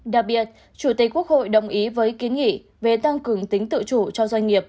đặc biệt chủ tịch quốc hội đồng ý với kiến nghị về tăng cường tính tự chủ cho doanh nghiệp